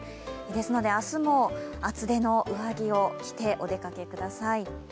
ですので、明日も厚手の上着を着てお出かけください。